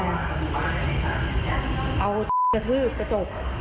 เอาสัตว์ท็อตกระทืบกระจก